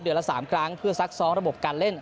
เดือนละ๓กลางเพื่อซักซ้อมระบบการเล่น